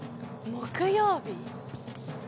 木曜日。